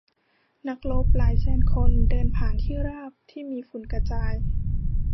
นักรบหลายแสนคนเดินผ่านที่ราบที่มีฝุ่นกระจาย